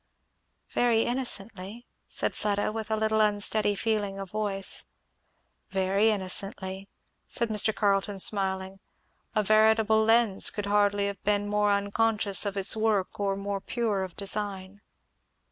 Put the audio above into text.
"Very innocently," said Fleda with a little unsteady feeling of voice. "Very innocently," said Mr. Carleton smiling. "A veritable lens could hardly have been more unconscious of its work or more pure of design."